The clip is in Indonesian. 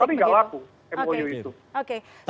tapi nggak laku mou itu